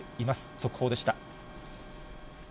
速報でした。